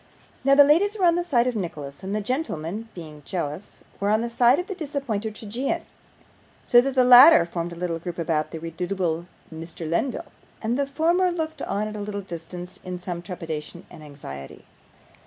Now the ladies were on the side of Nicholas, and the gentlemen (being jealous) were on the side of the disappointed tragedian; so that the latter formed a little group about the redoubtable Mr. Lenville, and the former looked on at a little distance in some trepidation and anxiety.